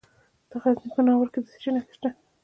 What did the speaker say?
د غزني په ناور کې د څه شي نښې دي؟